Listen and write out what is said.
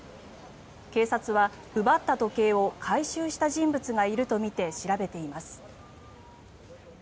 警察は、奪った時計を回収した人物がいるとみて調べています。